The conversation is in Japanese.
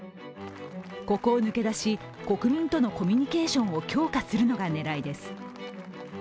ここを抜け出し、国民とのコミュニケーションを強化するのが狙いです。